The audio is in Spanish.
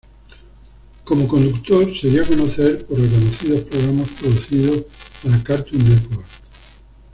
Como conductor se dio a conocer por reconocidos programas producidos para Cartoon Network.